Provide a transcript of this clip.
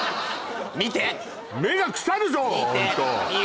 目が腐るぞホント！